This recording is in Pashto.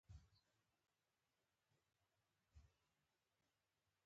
د نجونو تعلیم د روژې فضیلت بیانوي.